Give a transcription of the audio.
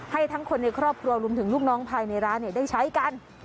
ให้ทั้งคนในครอบครัวรวมถึงลูกน้องภายในร้านได้ใช้กัน